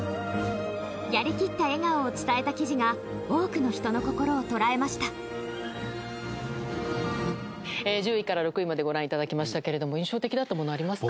やり切った笑顔を伝えた記事が多くの人の心を捉えました１０位から６位までご覧いただきましたけれども印象的だったものありますか？